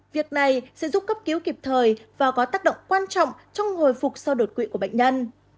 việc này sẽ giúp cấp cứu kịp thời và có tác động quan trọng trong hồi phục sau đột quỵ của bệnh nhân